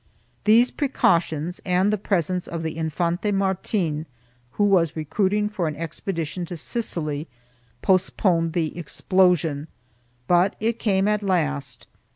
These precautions and the presence of the Infante Martin, who was recruiting for an expedition to Sicily, postponed the explosion, but it came at last.